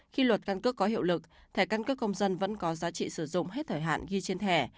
khi luật căn cước có hiệu lực thẻ căn cước công dân vẫn có giá trị sử dụng hết thời hạn ghi trên thẻ